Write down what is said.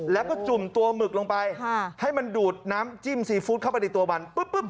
แล้วก็จุ่มตัวหมึกลงไปให้มันดูดน้ำจิ้มซีฟู้ดเข้าไปในตัวมันปุ๊บ